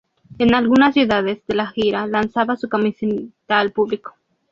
En algunas ciudades de la gira, lanzaba su camiseta al público.